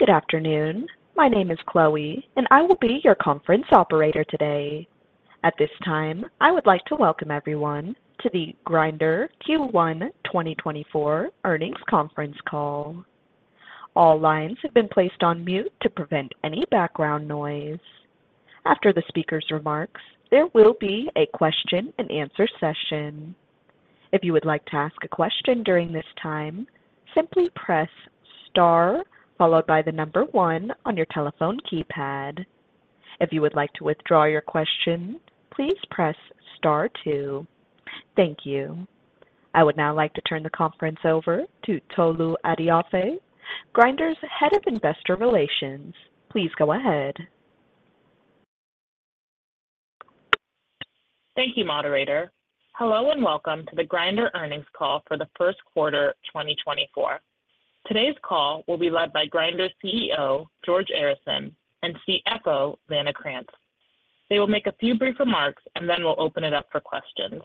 Good afternoon. My name is Chloe, and I will be your conference operator today. At this time, I would like to welcome everyone to the Grindr Q1 2024 Earnings Conference Call. All lines have been placed on mute to prevent any background noise. After the speaker's remarks, there will be a question-and-answer session. If you would like to ask a question during this time, simply press star followed by 1 on your telephone keypad. If you would like to withdraw your question, please press star two. Thank you. I would now like to turn the conference over to Tolu Adeofe, Grindr's Head of Investor Relations. Please go ahead. Thank you, moderator. Hello and welcome to the Grindr Earnings Call for the Q1 2024. Today's call will be led by Grindr CEO George Arison and CFO Vanna Krantz. They will make a few brief remarks, and then we'll open it up for questions.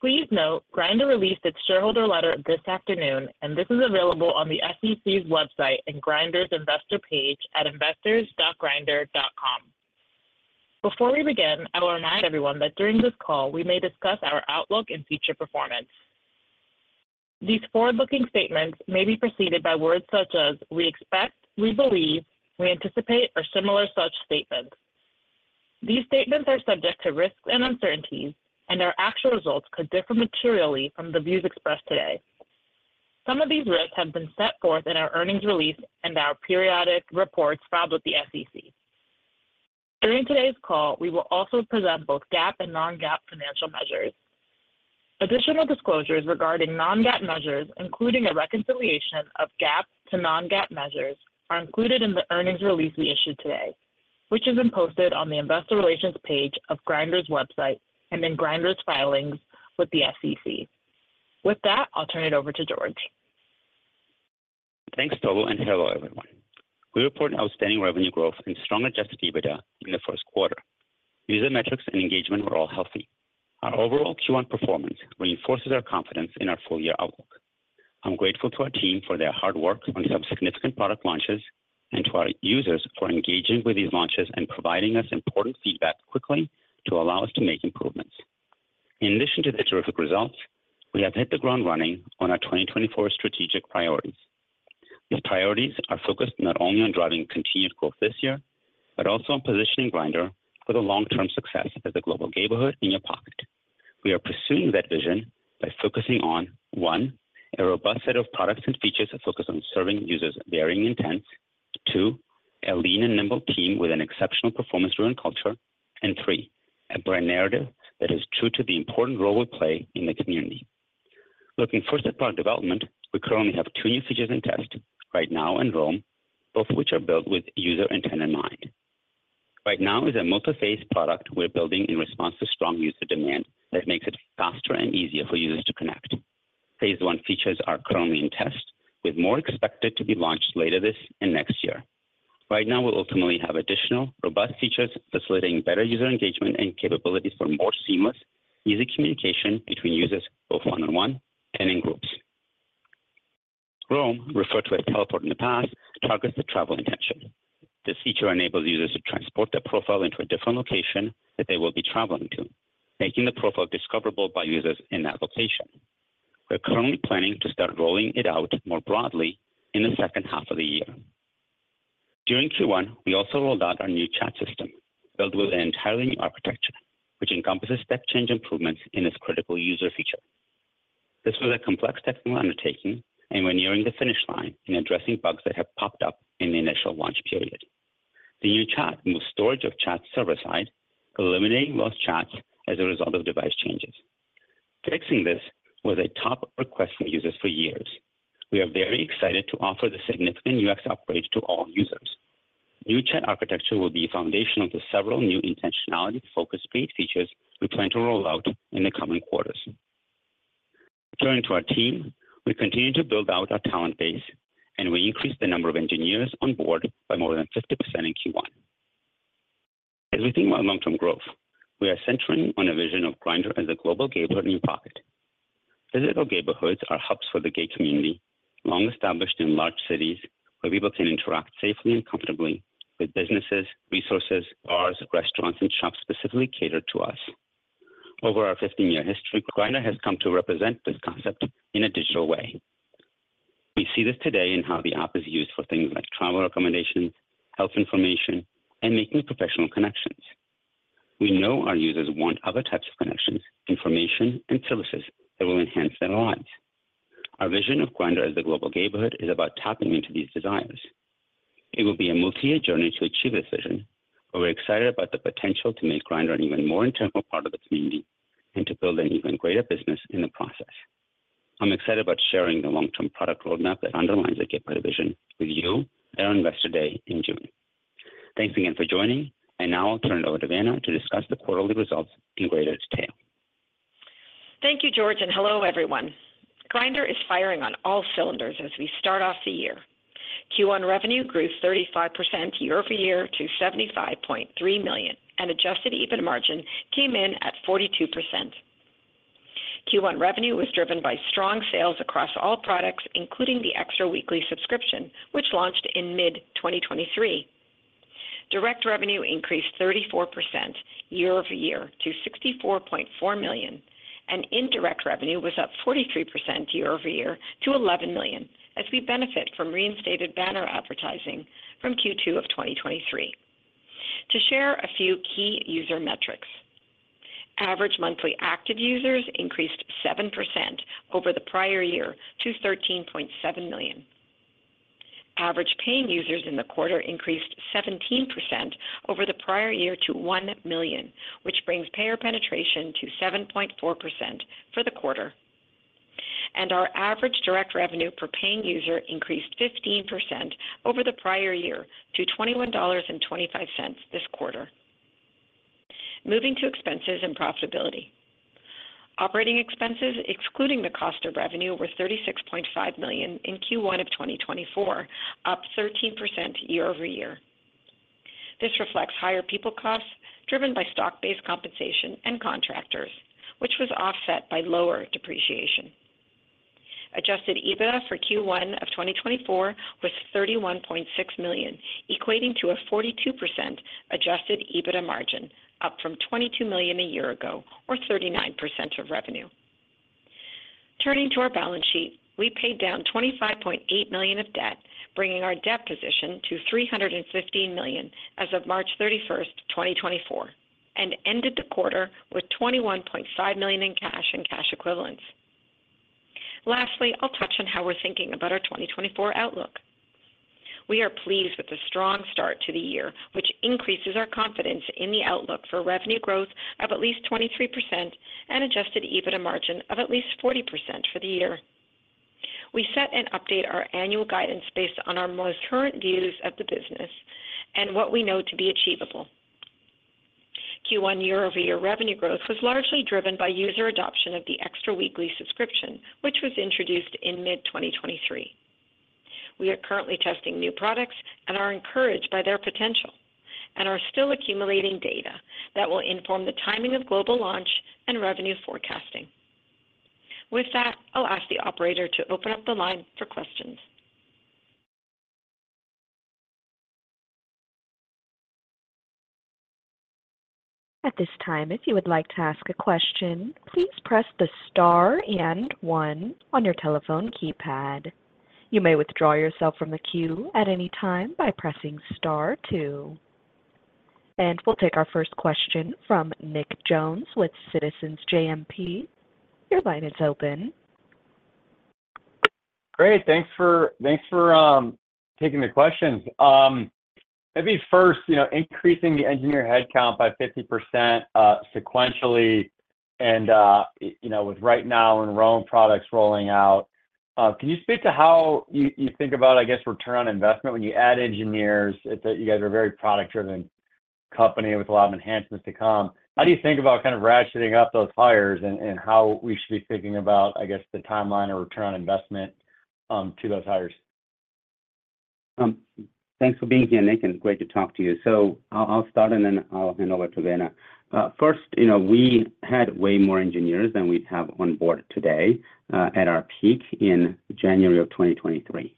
Please note, Grindr released its shareholder letter this afternoon, and this is available on the SEC's website and Grindr's investor page at investors.grindr.com. Before we begin, I will remind everyone that during this call we may discuss our outlook and future performance. These forward-looking statements may be preceded by words such as "we expect," "we believe," "we anticipate," or similar such statements. These statements are subject to risks and uncertainties, and our actual results could differ materially from the views expressed today. Some of these risks have been set forth in our earnings release and our periodic reports filed with the SEC. During today's call, we will also present both GAAP and non-GAAP financial measures. Additional disclosures regarding non-GAAP measures, including a reconciliation of GAAP to non-GAAP measures, are included in the earnings release we issued today, which has been posted on the investor relations page of Grindr's website and in Grindr's filings with the SEC. With that, I'll turn it over to George. Thanks, Tolu, and hello everyone. We report outstanding revenue growth and strong Adjusted EBITDA in the Q1. User metrics and engagement were all healthy. Our overall Q1 performance reinforces our confidence in our full-year outlook. I'm grateful to our team for their hard work on some significant product launches and to our users for engaging with these launches and providing us important feedback quickly to allow us to make improvements. In addition to the terrific results, we have hit the ground running on our 2024 strategic priorities. These priorities are focused not only on driving continued growth this year but also on positioning Grindr for the long-term success as a global Gayborhood in your pocket. We are pursuing that vision by focusing on, one, a robust set of products and features focused on serving users' varying intents. Two, a lean and nimble team with an exceptional performance-driven culture. And three, a brand narrative that is true to the important role we play in the community. Looking first at product development, we currently have two new features in test: Right Now and Roam, both of which are built with user intent in mind. Right Now is a multi-phase product we're building in response to strong user demand that makes it faster and easier for users to connect. Phase one features are currently in test, with more expected to be launched later this and next year. Right Now will ultimately have additional, robust features facilitating better user engagement and capabilities for more seamless, easy communication between users both one-on-one and in groups. Roam, referred to as Teleport in the past, targets the travel intention. This feature enables users to transport their profile into a different location that they will be traveling to, making the profile discoverable by users in that location. We're currently planning to start rolling it out more broadly in the H2 of the year. During Q1, we also rolled out our new chat system, built with an entirely new architecture, which encompasses step-change improvements in its critical user feature. This was a complex technical undertaking and we're nearing the finish line in addressing bugs that have popped up in the initial launch period. The new chat moves storage of chats server-side, eliminating lost chats as a result of device changes. Fixing this was a top request from users for years. We are very excited to offer this significant UX upgrade to all users. New chat architecture will be foundational to several new intentionality-focused paid features we plan to roll out in the coming quarters. Turning to our team, we continue to build out our talent base, and we increased the number of engineers on board by more than 50% in Q1. As we think about long-term growth, we are centering on a vision of Grindr as a global gay-borhood in your pocket. Physical gay-borhoods are hubs for the gay community, long-established in large cities where people can interact safely and comfortably with businesses, resources, bars, restaurants, and shops specifically catered to us. Over our 15-year history, Grindr has come to represent this concept in a digital way. We see this today in how the app is used for things like travel recommendations, health information, and making professional connections. We know our users want other types of connections, information, and services that will enhance their lives. Our vision of Grindr as a global gay-borhood is about tapping into these desires. It will be a multi-year journey to achieve this vision, but we're excited about the potential to make Grindr an even more integral part of the community and to build an even greater business in the process. I'm excited about sharing the long-term product roadmap that underlines the Gateway vision with you, our Investor Day, in June. Thanks again for joining, and now I'll turn it over to Vanna to discuss the quarterly results in greater detail. Thank you, George, and hello everyone. Grindr is firing on all cylinders as we start off the year. Q1 revenue grew 35% year-over-year to $75.3 million, and adjusted EBITDA margin came in at 42%. Q1 revenue was driven by strong sales across all products, including the Grindr Extra weekly subscription, which launched in mid-2023. Direct revenue increased 34% year-over-year to $64.4 million, and indirect revenue was up 43% year-over-year to $11 million as we benefit from reinstated banner advertising from Q2 of 2023. To share a few key user metrics: Average monthly active users increased 7% over the prior year to 13.7 million. Average paying users in the quarter increased 17% over the prior year to 1 million, which brings payer penetration to 7.4% for the quarter. Our average direct revenue per paying user increased 15% over the prior year to $21.25 this quarter. Moving to expenses and profitability. Operating expenses, excluding the cost of revenue, were $36.5 million in Q1 of 2024, up 13% year-over-year. This reflects higher people costs driven by stock-based compensation and contractors, which was offset by lower depreciation. Adjusted EBITDA for Q1 of 2024 was $31.6 million, equating to a 42% adjusted EBITDA margin, up from $22 million a year ago or 39% of revenue. Turning to our balance sheet, we paid down $25.8 million of debt, bringing our debt position to $315 million as of March 31st, 2024, and ended the quarter with $21.5 million in cash and cash equivalents. Lastly, I'll touch on how we're thinking about our 2024 outlook. We are pleased with the strong start to the year, which increases our confidence in the outlook for revenue growth of at least 23% and adjusted EBITDA margin of at least 40% for the year. We set and update our annual guidance based on our most current views of the business and what we know to be achievable. Q1 year-over-year revenue growth was largely driven by user adoption of theXTRA weekly subscription, which was introduced in mid-2023. We are currently testing new products and are encouraged by their potential and are still accumulating data that will inform the timing of global launch and revenue forecasting. With that, I'll ask the operator to open up the line for questions. At this time, if you would like to ask a question, please press the star and one on your telephone keypad. You may withdraw yourself from the queue at any time by pressing star two. And we'll take our first question from Nick Jones with Citizens JMP. Your line is open. Great. Thanks for taking the questions. Maybe first, increasing the engineer headcount by 50% sequentially and with Right Now and Roam products rolling out. Can you speak to how you think about, I guess, return on investment when you add engineers? You guys are a very product-driven company with a lot of enhancements to come. How do you think about kind of ratcheting up those hires and how we should be thinking about, I guess, the timeline or return on investment to those hires? Thanks for being here, Nick, and great to talk to you. So I'll start, and then I'll hand over to Vanna. First, we had way more engineers than we have on board today at our peak in January of 2023.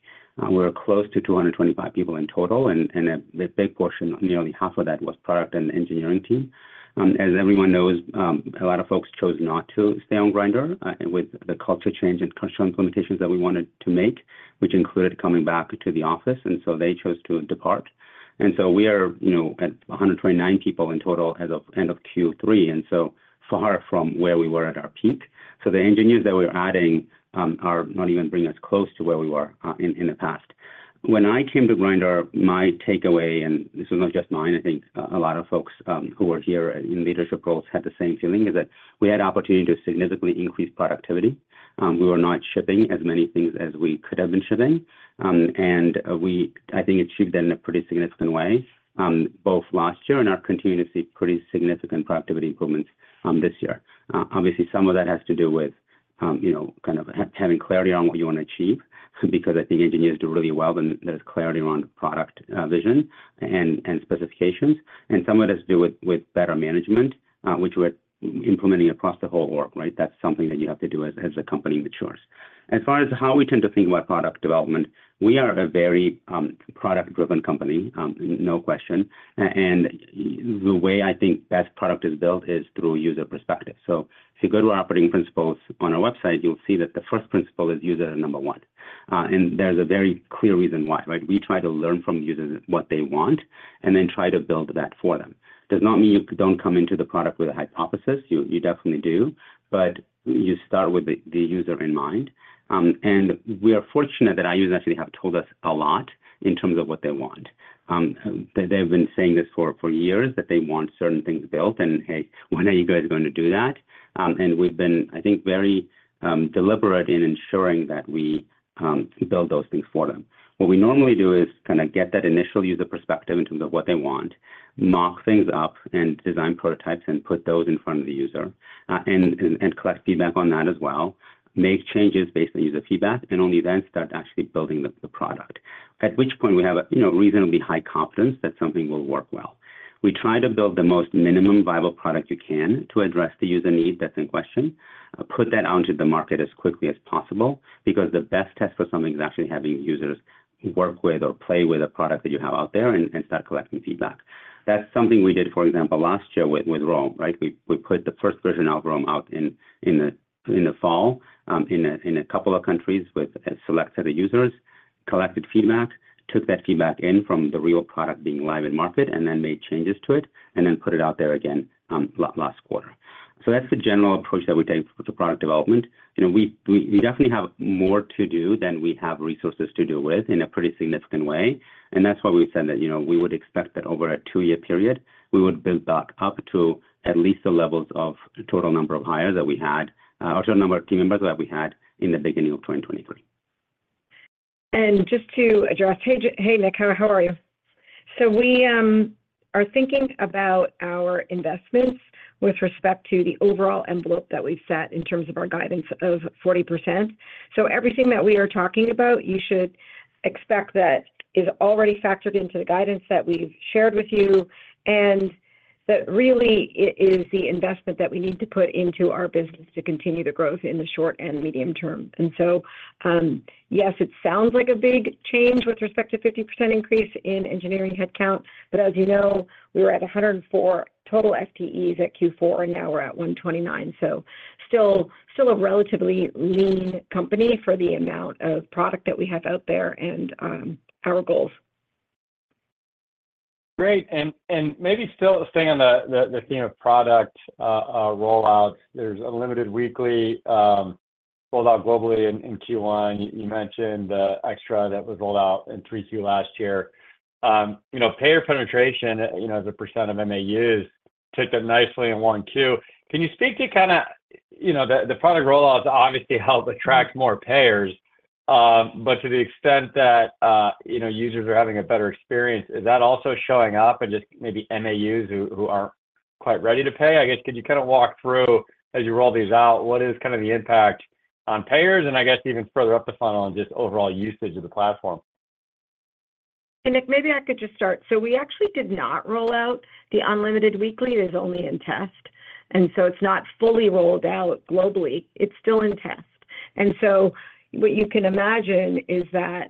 We were close to 225 people in total, and a big portion, nearly half of that, was product and engineering team. As everyone knows, a lot of folks chose not to stay on Grindr with the culture change and cultural implementations that we wanted to make, which included coming back to the office, and so they chose to depart. And so we are at 129 people in total as of end of Q3, and so far from where we were at our peak. So the engineers that we were adding are not even bringing us close to where we were in the past. When I came to Grindr, my takeaway, and this was not just mine, I think a lot of folks who were here in leadership roles had the same feeling, is that we had the opportunity to significantly increase productivity. We were not shipping as many things as we could have been shipping, and I think achieved that in a pretty significant way both last year and are continuing to see pretty significant productivity improvements this year. Obviously, some of that has to do with kind of having clarity on what you want to achieve because I think engineers do really well, and there's clarity around product vision and specifications. Some of it has to do with better management, which we're implementing across the whole org, right? That's something that you have to do as a company matures. As far as how we tend to think about product development, we are a very product-driven company, no question. The way I think best product is built is through user perspective. If you go to our operating principles on our website, you'll see that the first principle is user number one. There's a very clear reason why, right? We try to learn from users what they want and then try to build that for them. Does not mean you don't come into the product with a hypothesis. You definitely do, but you start with the user in mind. We are fortunate that our users actually have told us a lot in terms of what they want. They've been saying this for years, that they want certain things built, and, "Hey, when are you guys going to do that?" And we've been, I think, very deliberate in ensuring that we build those things for them. What we normally do is kind of get that initial user perspective in terms of what they want, mock things up and design prototypes, and put those in front of the user and collect feedback on that as well, make changes based on user feedback, and only then start actually building the product, at which point we have a reasonably high confidence that something will work well. We try to build the most minimum viable product you can to address the user need that's in question, put that out into the market as quickly as possible because the best test for something is actually having users work with or play with a product that you have out there and start collecting feedback. That's something we did, for example, last year with Roam, right? We put the first version of Roam out in the fall in a couple of countries with a select set of users, collected feedback, took that feedback in from the real product being live in market, and then made changes to it, and then put it out there again last quarter. So that's the general approach that we take to product development. We definitely have more to do than we have resources to do with in a pretty significant way. That's why we said that we would expect that over a 2-year period, we would build back up to at least the levels of total number of hires that we had or total number of team members that we had in the beginning of 2023. And just to address, hey, Nick, how are you? So we are thinking about our investments with respect to the overall envelope that we've set in terms of our guidance of 40%. So everything that we are talking about, you should expect that is already factored into the guidance that we've shared with you and that really it is the investment that we need to put into our business to continue the growth in the short and medium term. And so yes, it sounds like a big change with respect to 50% increase in engineering headcount, but as you know, we were at 104 total FTEs at Q4, and now we're at 129. So still a relatively lean company for the amount of product that we have out there and our goals. Great. And maybe still staying on the theme of product rollouts, there's Unlimited Weekly rolled out globally in Q1. You mentioned the Extra that was rolled out in 3Q last year. Payer penetration, as a % of MAUs, took that nicely in 1Q. Can you speak to kind of the product rollouts obviously help attract more payers, but to the extent that users are having a better experience, is that also showing up in just maybe MAUs who aren't quite ready to pay? I guess could you kind of walk through, as you roll these out, what is kind of the impact on payers and, I guess, even further up the funnel on just overall usage of the platform? Hey, Nick, maybe I could just start. So we actually did not roll out the Unlimited Weekly. It is only in test. And so it's not fully rolled out globally. It's still in test. And so what you can imagine is that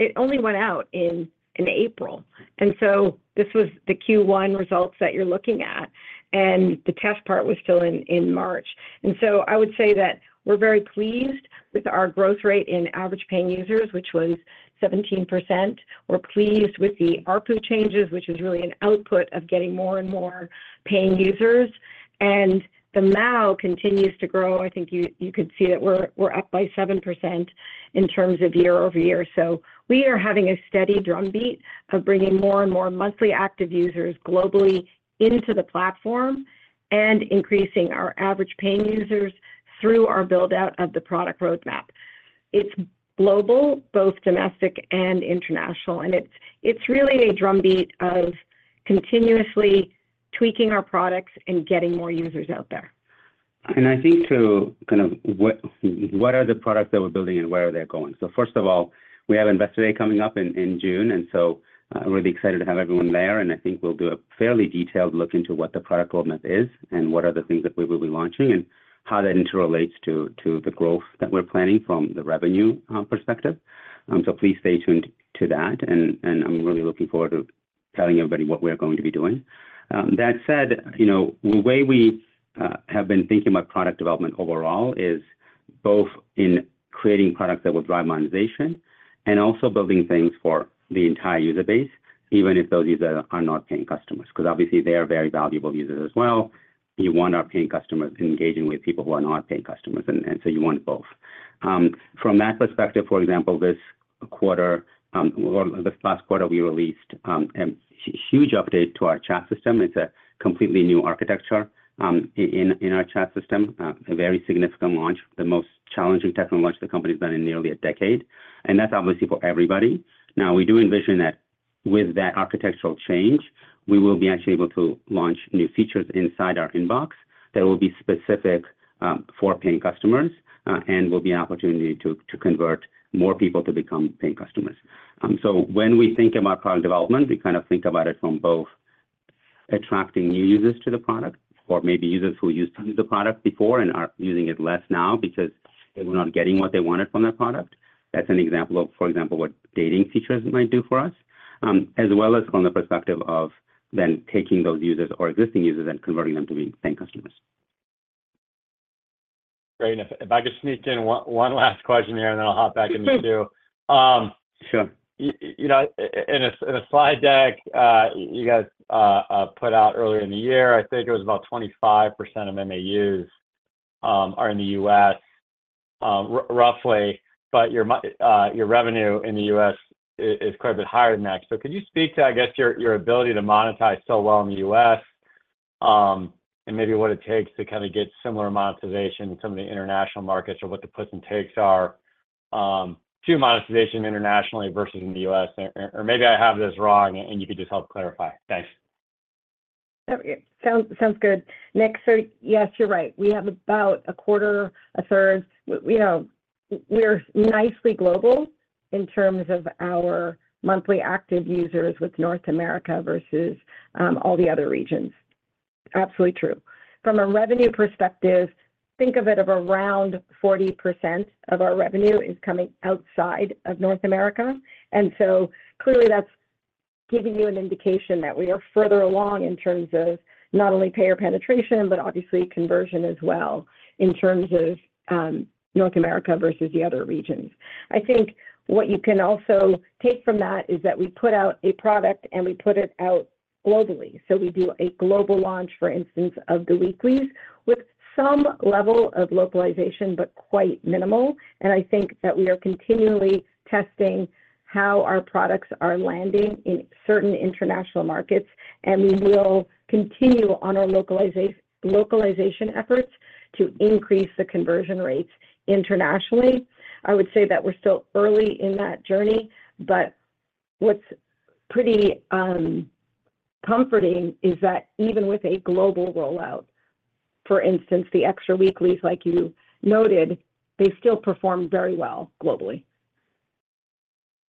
it only went out in April. And so this was the Q1 results that you're looking at, and the test part was still in March. And so I would say that we're very pleased with our growth rate in average paying users, which was 17%. We're pleased with the ARPU changes, which is really an output of getting more and more paying users. And the MAU continues to grow. I think you could see that we're up by 7% in terms of year-over-year. We are having a steady drumbeat of bringing more and more monthly active users globally into the platform and increasing our average paying users through our buildout of the product roadmap. It's global, both domestic and international, and it's really a drumbeat of continuously tweaking our products and getting more users out there. And I think to kind of what are the products that we're building and where are they going? So first of all, we have Investor Day coming up in June, and so really excited to have everyone there. And I think we'll do a fairly detailed look into what the product roadmap is and what are the things that we will be launching and how that interrelates to the growth that we're planning from the revenue perspective. So please stay tuned to that, and I'm really looking forward to telling everybody what we're going to be doing. That said, the way we have been thinking about product development overall is both in creating products that will drive monetization and also building things for the entire user base, even if those users are not paying customers because obviously, they are very valuable users as well. You want our paying customers engaging with people who are not paying customers, and so you want both. From that perspective, for example, this quarter or this last quarter, we released a huge update to our chat system. It's a completely new architecture in our chat system, a very significant launch, the most challenging technology the company's done in nearly a decade. And that's obviously for everybody. Now, we do envision that with that architectural change, we will be actually able to launch new features inside our inbox that will be specific for paying customers and will be an opportunity to convert more people to become paying customers. When we think about product development, we kind of think about it from both attracting new users to the product or maybe users who used to use the product before and are using it less now because they were not getting what they wanted from that product. That's an example of, for example, what dating features might do for us, as well as from the perspective of then taking those users or existing users and converting them to being paying customers. Great. If I could sneak in one last question here, and then I'll hop back into Q. Sure. In a slide deck you guys put out earlier in the year, I think it was about 25% of MAUs are in the U.S., roughly, but your revenue in the U.S. is quite a bit higher than that. So could you speak to, I guess, your ability to monetize so well in the U.S. and maybe what it takes to kind of get similar monetization in some of the international markets or what the puts and takes are to monetization internationally versus in the U.S.? Or maybe I have this wrong, and you could just help clarify. Thanks. Sounds good. Nick, so yes, you're right. We have about a quarter, a third. We're nicely global in terms of our monthly active users with North America versus all the other regions. Absolutely true. From a revenue perspective, think of it as around 40% of our revenue is coming outside of North America. And so clearly, that's giving you an indication that we are further along in terms of not only payer penetration, but obviously conversion as well in terms of North America versus the other regions. I think what you can also take from that is that we put out a product, and we put it out globally. So we do a global launch, for instance, of the weeklies with some level of localization but quite minimal. I think that we are continually testing how our products are landing in certain international markets, and we will continue on our localization efforts to increase the conversion rates internationally. I would say that we're still early in that journey, but what's pretty comforting is that even with a global rollout, for instance, the extra weeklies, like you noted, they still perform very well globally.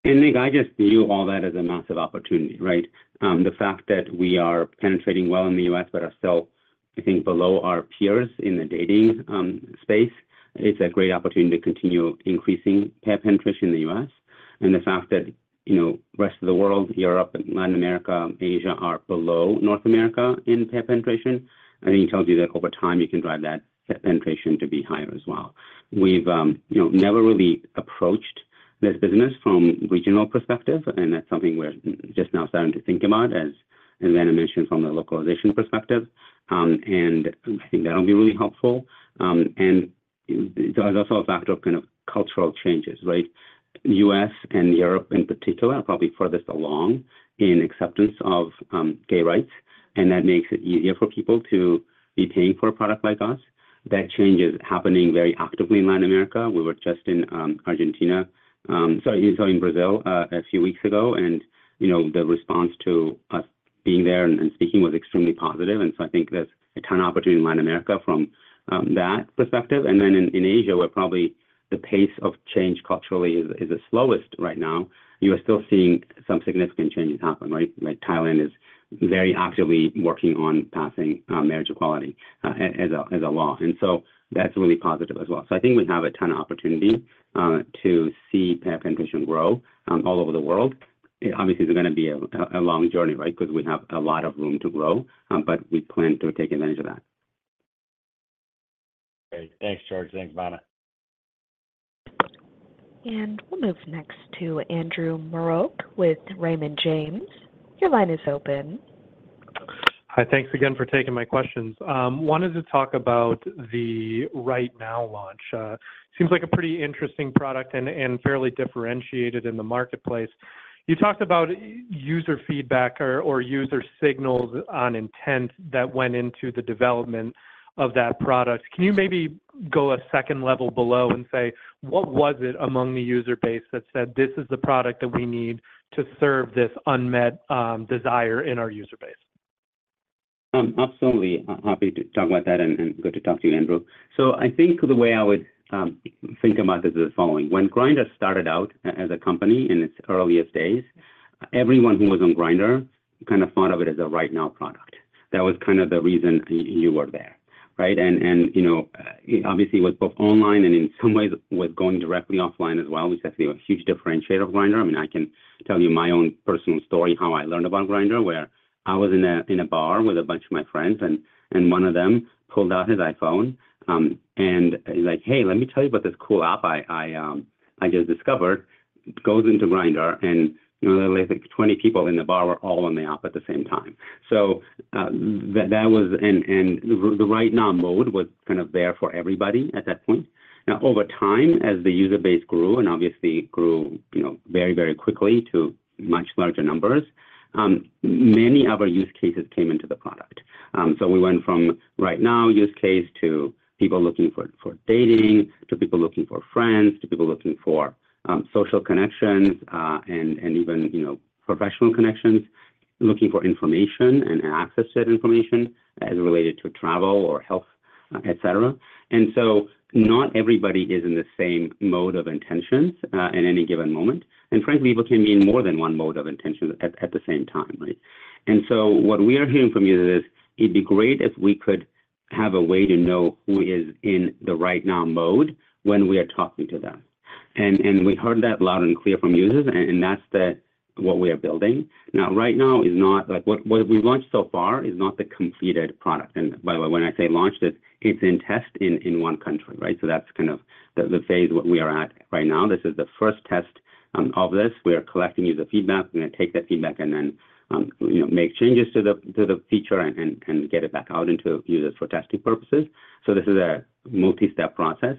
Nick, I guess view all that as a massive opportunity, right? The fact that we are penetrating well in the US but are still, I think, below our peers in the dating space, it's a great opportunity to continue increasing payer penetration in the US. The fact that the rest of the world, Europe, Latin America, and Asia are below North America in payer penetration, I think tells you that over time, you can drive that penetration to be higher as well. We've never really approached this business from a regional perspective, and that's something we're just now starting to think about, as Vanna mentioned, from the localization perspective. I think that'll be really helpful. There's also a factor of kind of cultural changes, right? The U.S. and Europe, in particular, are probably furthest along in acceptance of gay rights, and that makes it easier for people to be paying for a product like us. That change is happening very actively in Latin America. We were just in Argentina, sorry, in Brazil, a few weeks ago, and the response to us being there and speaking was extremely positive. And so I think there's a ton of opportunity in Latin America from that perspective. And then in Asia, where probably the pace of change culturally is the slowest right now, you are still seeing some significant changes happen, right? Thailand is very actively working on passing marriage equality as a law. And so that's really positive as well. So I think we have a ton of opportunity to see payer penetration grow all over the world. Obviously, it's going to be a long journey, right, because we have a lot of room to grow, but we plan to take advantage of that. Great. Thanks, George. Thanks, Vanna. We'll move next to Andrew Marok with Raymond James. Your line is open. Hi. Thanks again for taking my questions. I wanted to talk about the Right Now launch. It seems like a pretty interesting product and fairly differentiated in the marketplace. You talked about user feedback or user signals on intent that went into the development of that product. Can you maybe go a second level below and say, what was it among the user base that said, "This is the product that we need to serve this unmet desire in our user base"? Absolutely. Happy to talk about that and good to talk to you, Andrew. So I think the way I would think about this is the following. When Grindr started out as a company in its earliest days, everyone who was on Grindr kind of thought of it as a Right Now product. That was kind of the reason you were there, right? And obviously, it was both online and in some ways, it was going directly offline as well, which is actually a huge differentiator of Grindr. I mean, I can tell you my own personal story, how I learned about Grindr, where I was in a bar with a bunch of my friends, and one of them pulled out his iPhone, and he's like, "Hey, let me tell you about this cool app I just discovered." Goes into Grindr, and there were like 20 people in the bar who were all on the app at the same time. So that was and the Right Now mode was kind of there for everybody at that point. Now, over time, as the user base grew and obviously grew very, very quickly to much larger numbers, many other use cases came into the product. So we went from Right Now use case to people looking for dating, to people looking for friends, to people looking for social connections and even professional connections, looking for information and access to that information as related to travel or health, etc. And so not everybody is in the same mode of intentions at any given moment. And frankly, people can be in more than one mode of intentions at the same time, right? And so what we are hearing from users is, "It'd be great if we could have a way to know who is in the Right Now mode when we are talking to them." And we heard that loud and clear from users, and that's what we are building. Now, Right Now is not what we've launched so far is not the completed product. By the way, when I say launched, it's in test in one country, right? So that's kind of the phase we are at right now. This is the first test of this. We are collecting user feedback. We're going to take that feedback and then make changes to the feature and get it back out into users for testing purposes. So this is a multi-step process,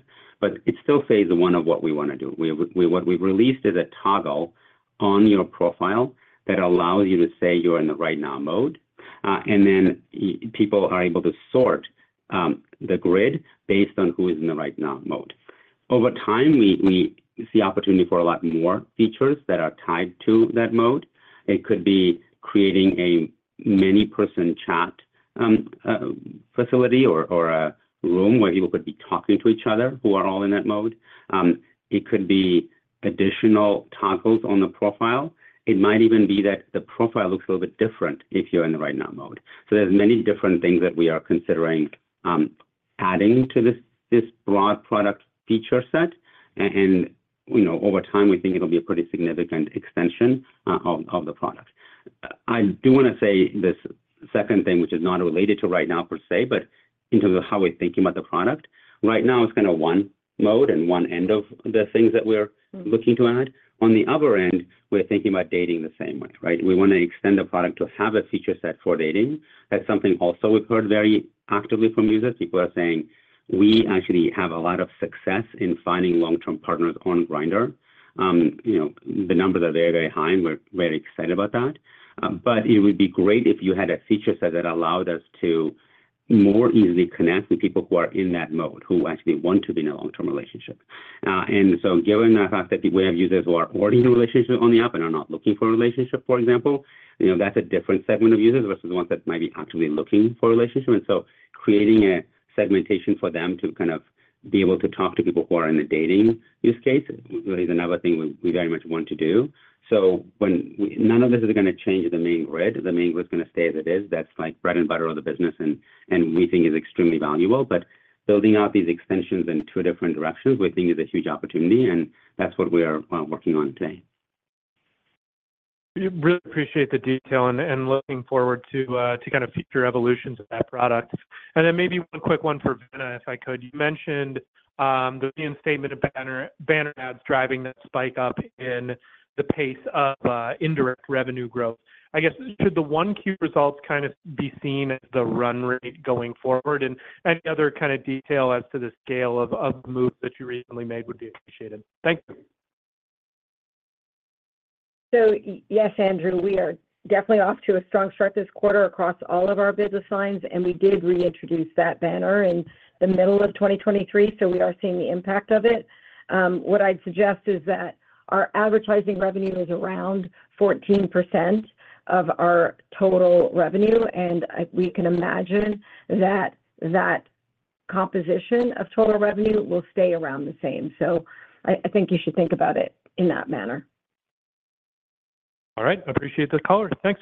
but it's still phase one of what we want to do. What we've released is a toggle on your profile that allows you to say you're in the Right Now mode, and then people are able to sort the grid based on who is in the Right Now mode. Over time, we see opportunity for a lot more features that are tied to that mode. It could be creating a many-person chat facility or a room where people could be talking to each other who are all in that mode. It could be additional toggles on the profile. It might even be that the profile looks a little bit different if you're in the Right Now mode. So there's many different things that we are considering adding to this broad product feature set. And over time, we think it'll be a pretty significant extension of the product. I do want to say this second thing, which is not related to Right Now per se, but in terms of how we're thinking about the product. Right now, it's kind of one mode and one end of the things that we're looking to add. On the other end, we're thinking about dating the same way, right? We want to extend the product to have a feature set for dating. That's something also we've heard very actively from users. People are saying, "We actually have a lot of success in finding long-term partners on Grindr." The numbers are very, very high, and we're very excited about that. It would be great if you had a feature set that allowed us to more easily connect with people who are in that mode, who actually want to be in a long-term relationship. So given the fact that we have users who are already in a relationship on the app and are not looking for a relationship, for example, that's a different segment of users versus the ones that might be actively looking for a relationship. And so creating a segmentation for them to kind of be able to talk to people who are in the dating use case is another thing we very much want to do. So none of this is going to change the main grid. The main grid is going to stay as it is. That's like bread and butter of the business, and we think is extremely valuable. But building out these extensions in two different directions, we think is a huge opportunity, and that's what we are working on today. Really appreciate the detail and looking forward to kind of future evolutions of that product. And then maybe one quick one for Vanna, if I could. You mentioned the Q1 statement of banner ads driving that spike up in the pace of indirect revenue growth. I guess, should the Q1 results kind of be seen as the run rate going forward? And any other kind of detail as to the scale of the moves that you recently made would be appreciated. Thank you. So yes, Andrew. We are definitely off to a strong start this quarter across all of our business lines, and we did reintroduce that banner in the middle of 2023, so we are seeing the impact of it. What I'd suggest is that our advertising revenue is around 14% of our total revenue, and we can imagine that that composition of total revenue will stay around the same. So I think you should think about it in that manner. All right. Appreciate the caller. Thanks.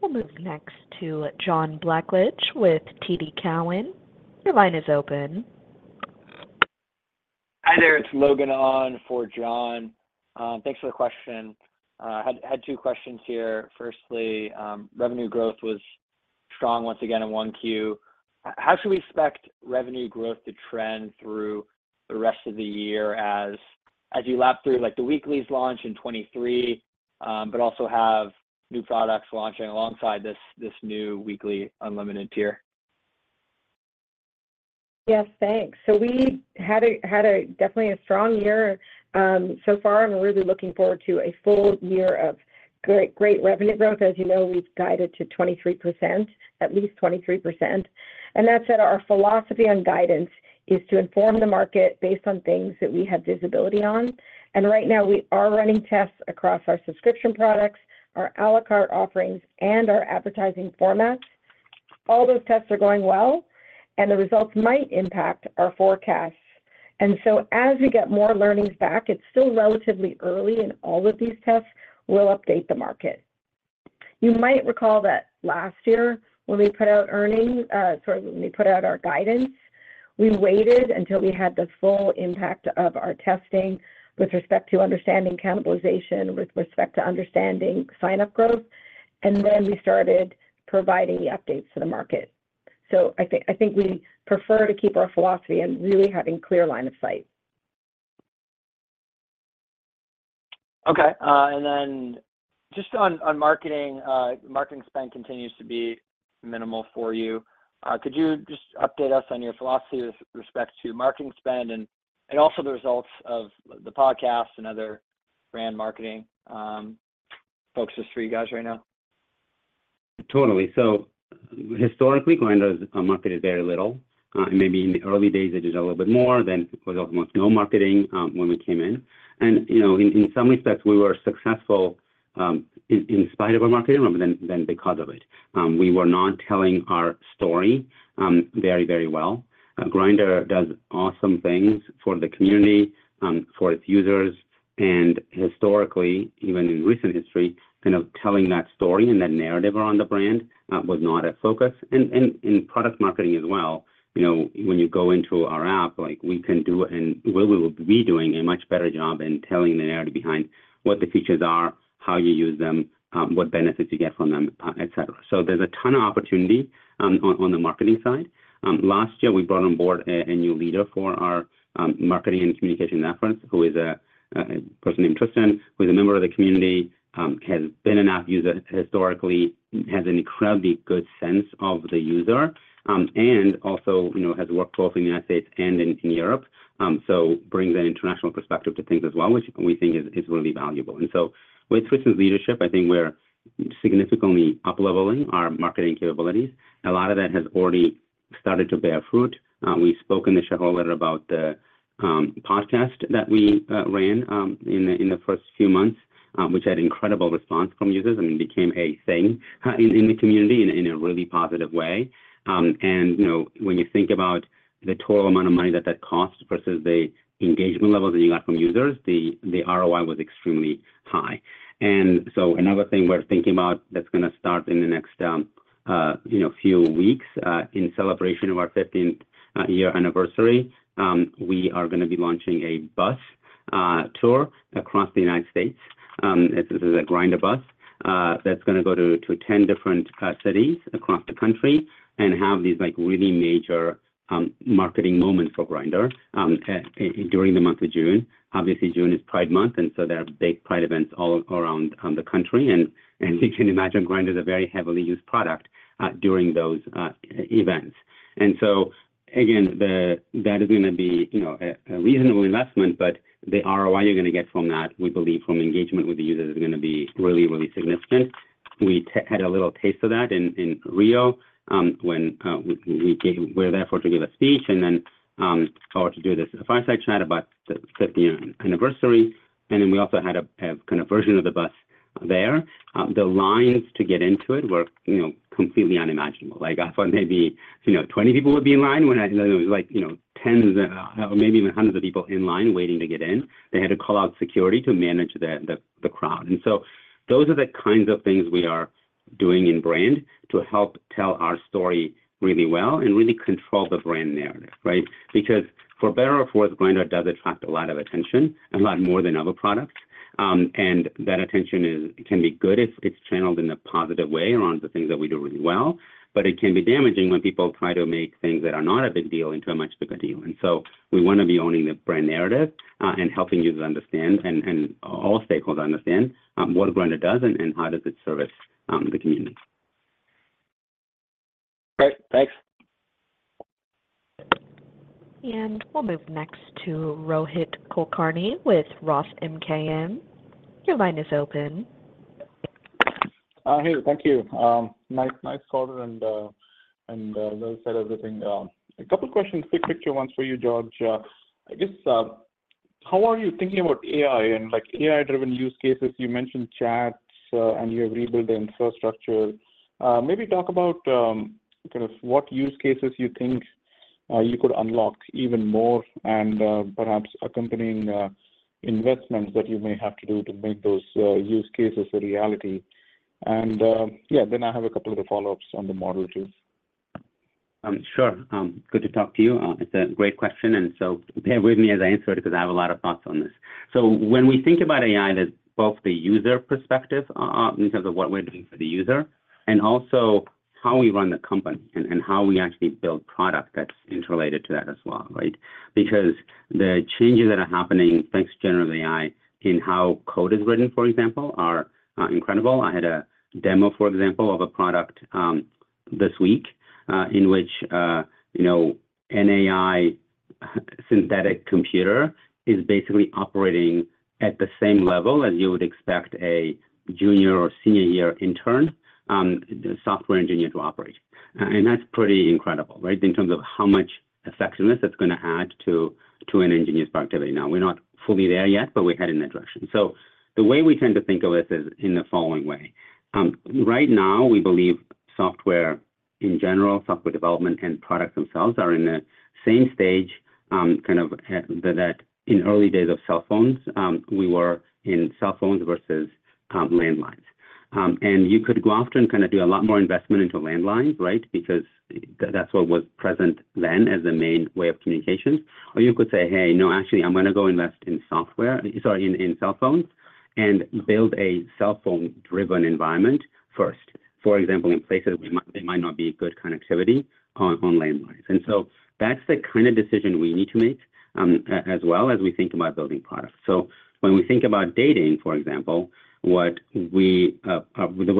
We'll move next to John Blackledge with TD Cowen. Your line is open. Hi there. It's Logan on for John. Thanks for the question. I had two questions here. Firstly, revenue growth was strong once again in 1Q. How should we expect revenue growth to trend through the rest of the year as you lap through the weeklies launch in 2023 but also have new products launching alongside this new weekly unlimited tier? Yes. Thanks. So we had definitely a strong year so far, and we're really looking forward to a full year of great revenue growth. As you know, we've guided to 23%, at least 23%. And that said, our philosophy on guidance is to inform the market based on things that we have visibility on. And right now, we are running tests across our subscription products, our à la carte offerings, and our advertising formats. All those tests are going well, and the results might impact our forecasts. And so as we get more learnings back, it's still relatively early, and all of these tests will update the market. You might recall that last year, when we put out earnings, sorry, when we put out our guidance, we waited until we had the full impact of our testing with respect to understanding cannibalization, with respect to understanding sign-up growth, and then we started providing the updates to the market. So I think we prefer to keep our philosophy and really have a clear line of sight. Okay. Then just on marketing, marketing spend continues to be minimal for you. Could you just update us on your philosophy with respect to marketing spend and also the results of the podcast and other brand marketing focuses for you guys right now? Totally. So historically, Grindr has marketed very little. Maybe in the early days, it did a little bit more. Then it was almost no marketing when we came in. And in some respects, we were successful in spite of our marketing ramp than because of it. We were not telling our story very, very well. Grindr does awesome things for the community, for its users. And historically, even in recent history, kind of telling that story and that narrative around the brand was not at focus. And in product marketing as well, when you go into our app, we can do, and will be doing, a much better job in telling the narrative behind what the features are, how you use them, what benefits you get from them, etc. So there's a ton of opportunity on the marketing side. Last year, we brought on board a new leader for our marketing and communication efforts, who is a person interested, who is a member of the community, has been an app user historically, has an incredibly good sense of the user, and also has worked both in the United States and in Europe, so brings an international perspective to things as well, which we think is really valuable. And so with Tristan's leadership, I think we're significantly up-leveling our marketing capabilities. A lot of that has already started to bear fruit. We spoke in the shareholder letter about the podcast that we ran in the first few months, which had incredible response from users. I mean, it became a thing in the community in a really positive way. When you think about the total amount of money that that cost versus the engagement levels that you got from users, the ROI was extremely high. So another thing we're thinking about that's going to start in the next few weeks in celebration of our 15th year anniversary, we are going to be launching a bus tour across the United States. This is a Grindr bus that's going to go to 10 different cities across the country and have these really major marketing moments for Grindr during the month of June. Obviously, June is Pride Month, and so there are big Pride events all around the country. You can imagine Grindr is a very heavily used product during those events. And so again, that is going to be a reasonable investment, but the ROI you're going to get from that, we believe, from engagement with the users is going to be really, really significant. We had a little taste of that in Rio when we were there for to give a speech and then or to do this fireside chat about the 15th year anniversary. And then we also had a kind of version of the bus there. The lines to get into it were completely unimaginable. I thought maybe 20 people would be in line, when it was like tens or maybe even hundreds of people in line waiting to get in. They had to call out security to manage the crowd. And so those are the kinds of things we are doing in brand to help tell our story really well and really control the brand narrative, right? Because for better or for worse, Grindr does attract a lot of attention, a lot more than other products. That attention can be good if it's channeled in a positive way around the things that we do really well, but it can be damaging when people try to make things that are not a big deal into a much bigger deal. So we want to be owning the brand narrative and helping users understand and all stakeholders understand what Grindr does and how does it service the community. Great. Thanks. We'll move next to Rohit Kulkarni with ROTH MKM. Your line is open. Hey. Thank you. Nice caller, and that said everything. A couple of questions, quick picture ones for you, George. I guess, how are you thinking about AI and AI-driven use cases? You mentioned chat, and you have rebuilt the infrastructure. Maybe talk about kind of what use cases you think you could unlock even more and perhaps accompanying investments that you may have to do to make those use cases a reality. And yeah, then I have a couple of the follow-ups on the model too. Sure. Good to talk to you. It's a great question. And so bear with me as I answer it because I have a lot of thoughts on this. So when we think about AI, there's both the user perspective in terms of what we're doing for the user and also how we run the company and how we actually build product that's interrelated to that as well, right? Because the changes that are happening thanks to generative AI in how code is written, for example, are incredible. I had a demo, for example, of a product this week in which an AI synthetic computer is basically operating at the same level as you would expect a junior or senior-year intern, software engineer, to operate. And that's pretty incredible, right, in terms of how much effectiveness it's going to add to an engineer's productivity. Now, we're not fully there yet, but we're heading in that direction. So the way we tend to think of this is in the following way. Right now, we believe software in general, software development, and products themselves are in the same stage kind of that in early days of cell phones, we were in cell phones versus landlines. And you could go after and kind of do a lot more investment into landlines, right, because that's what was present then as the main way of communication. Or you could say, "Hey, no, actually, I'm going to go invest in software, sorry, in cell phones, and build a cell phone-driven environment first, for example, in places where there might not be good connectivity on landlines." And so that's the kind of decision we need to make as well as we think about building products. When we think about dating, for example, the way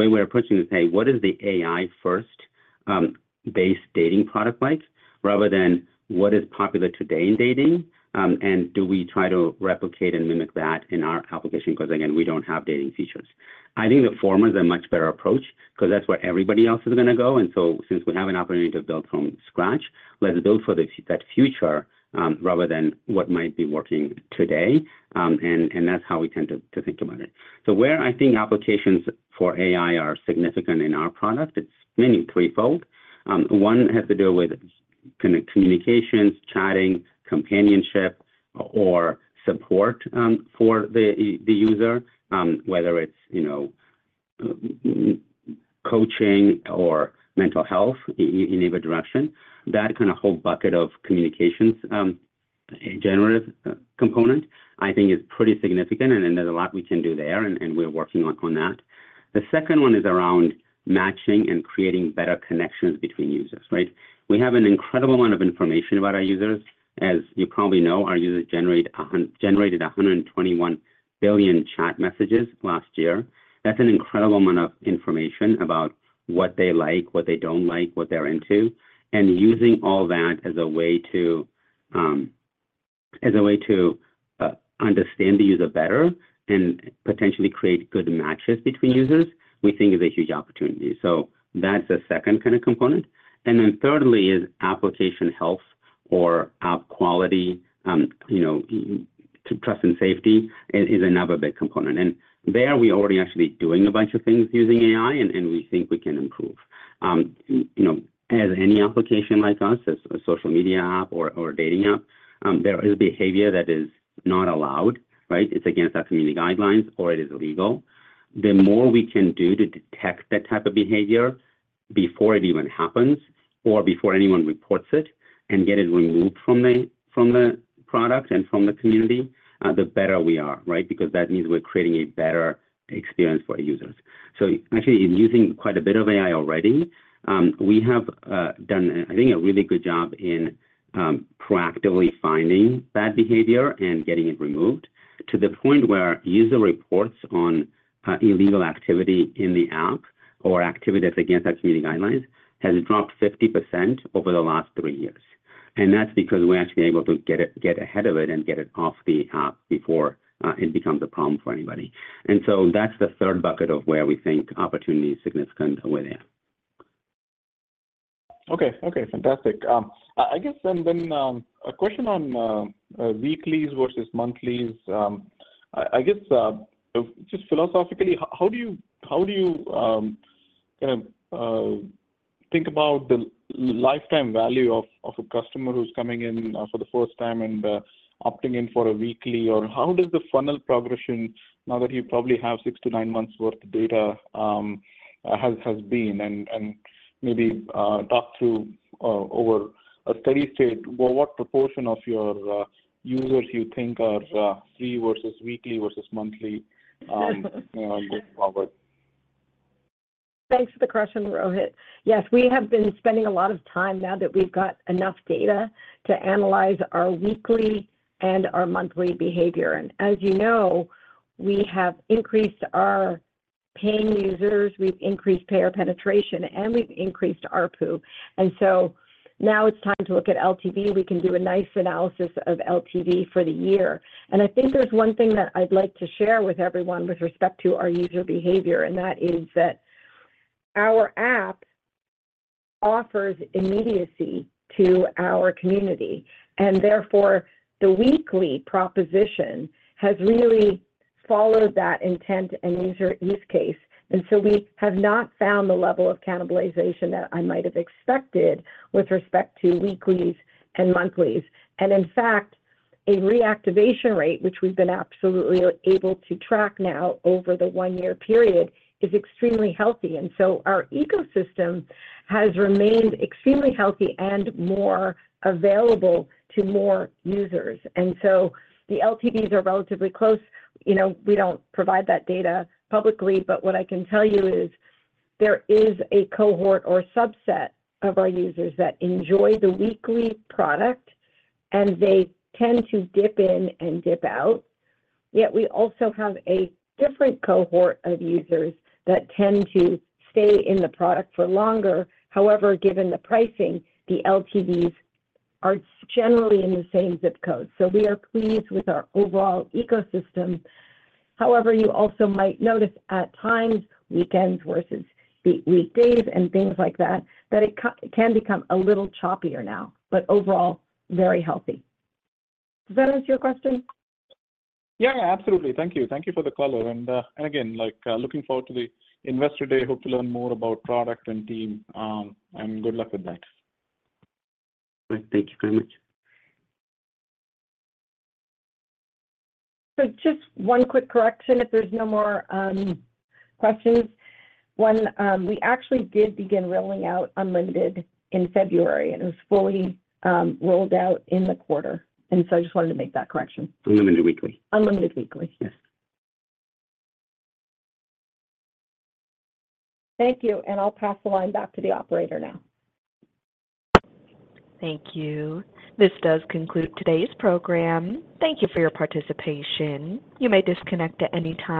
we're approaching it is, "Hey, what is the AI-first-based dating product like?" rather than, "What is popular today in dating? And do we try to replicate and mimic that in our application?" Because again, we don't have dating features. I think the former is a much better approach because that's where everybody else is going to go. Since we have an opportunity to build from scratch, let's build for that future rather than what might be working today. That's how we tend to think about it. Where I think applications for AI are significant in our product, it's mainly threefold. One has to do with kind of communications, chatting, companionship, or support for the user, whether it's coaching or mental health in either direction. That kind of whole bucket of communications, generative component, I think is pretty significant. And there's a lot we can do there, and we're working on that. The second one is around matching and creating better connections between users, right? We have an incredible amount of information about our users. As you probably know, our users generated 121 billion chat messages last year. That's an incredible amount of information about what they like, what they don't like, what they're into. And using all that as a way to understand the user better and potentially create good matches between users, we think is a huge opportunity. So that's the second kind of component. And then thirdly is application health or app quality. Trust and safety is another big component. And there, we're already actually doing a bunch of things using AI, and we think we can improve. As any application like us, a social media app or dating app, there is behavior that is not allowed, right? It's against our community guidelines, or it is illegal. The more we can do to detect that type of behavior before it even happens or before anyone reports it and get it removed from the product and from the community, the better we are, right? Because that means we're creating a better experience for users. So actually, using quite a bit of AI already, we have done, I think, a really good job in proactively finding that behavior and getting it removed to the point where user reports on illegal activity in the app or activity that's against our community guidelines has dropped 50% over the last three years. And that's because we're actually able to get ahead of it and get it off the app before it becomes a problem for anybody. And so that's the third bucket of where we think opportunity is significant over there. Okay. Okay. Fantastic. I guess then a question on weeklies versus monthlies. I guess just philosophically, how do you kind of think about the lifetime value of a customer who's coming in for the first time and opting in for a weekly? Or how does the funnel progression, now that you probably have six to nine months' worth of data, has been? And maybe talk through over a steady state, what proportion of your users you think are free versus weekly versus monthly going forward? Thanks for the question, Rohit. Yes, we have been spending a lot of time now that we've got enough data to analyze our weekly and our monthly behavior. And as you know, we have increased our paying users. We've increased payer penetration, and we've increased ARPU. And so now it's time to look at LTV. We can do a nice analysis of LTV for the year. And I think there's one thing that I'd like to share with everyone with respect to our user behavior, and that is that our app offers immediacy to our community. And therefore, the weekly proposition has really followed that intent and user use case. And so we have not found the level of cannibalization that I might have expected with respect to weeklies and monthlies. And in fact, a reactivation rate, which we've been absolutely able to track now over the 1-year period, is extremely healthy. And so our ecosystem has remained extremely healthy and more available to more users. And so the LTVs are relatively close. We don't provide that data publicly. But what I can tell you is there is a cohort or subset of our users that enjoy the weekly product, and they tend to dip in and dip out. Yet, we also have a different cohort of users that tend to stay in the product for longer. However, given the pricing, the LTVs are generally in the same zip code. So we are pleased with our overall ecosystem. However, you also might notice at times, weekends versus weekdays and things like that, that it can become a little choppier now, but overall, very healthy. Does that answer your question? Yeah. Absolutely. Thank you. Thank you for the caller. Again, looking forward to the investor day. Hope to learn more about product and team. Good luck with that. Great. Thank you very much. So just one quick correction if there's no more questions. 1, we actually did begin rolling out unlimited in February, and it was fully rolled out in the quarter. And so I just wanted to make that correction. Unlimited weekly. Unlimited weekly. Yes. Thank you. And I'll pass the line back to the operator now. Thank you. This does conclude today's program. Thank you for your participation. You may disconnect at any time.